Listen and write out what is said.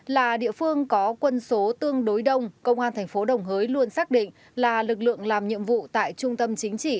là địa phương có quân số tương đối đông công an thành phố đồng hới luôn xác định là lực lượng làm nhiệm vụ tại trung tâm chính trị